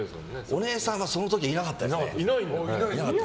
お姉さんはその時いなかったですね。